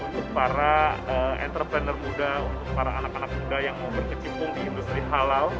untuk para entrepreneur muda untuk para anak anak muda yang mau berkecimpung di industri halal